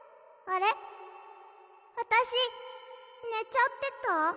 あたしねちゃってた？